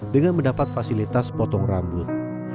dengan mendapat fasilitas potong rambut